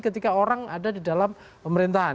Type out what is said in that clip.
ketika orang ada di dalam pemerintahan